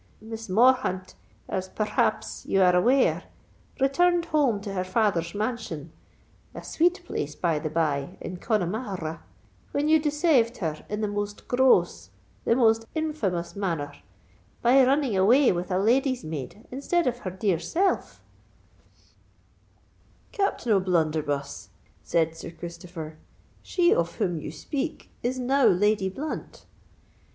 Miss Morthaunt, as per rhaps you are aware, returned home to her father's mansion—a sweet place, by the bye, in Connamar r ra—when you desayved her in the most gross—the most infamous manner, by running away with a lady's maid instead of her dear self——" "Captain O'Blunderbuss," said Sir Christopher, "she of whom you speak is now Lady Blunt."